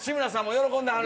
喜んではる。